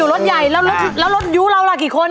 รถใยแล้วรถยุเราล่ะกี่คน